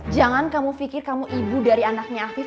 jangan kamu pikir kamu ibu dari anaknya afif